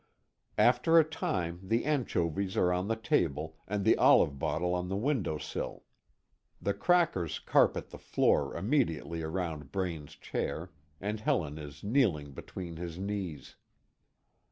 After a time, the anchovies are on the table, and the olive bottle on the window sill; the crackers carpet the floor immediately around Braine's chair, and Helen is kneeling between his knees.